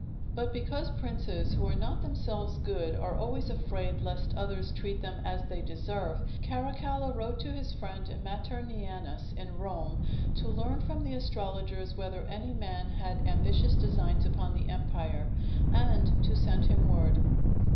But because princes who are not themselves good are always afraid lest others treat them as they deserve, Caracalla wrote to his friend Maternianus in Rome to learn from the astrologers whether any man had ambitious designs upon the empire, and to send him word.